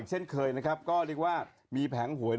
เช่นเคยนะครับก็เรียกว่ามีแผงหวย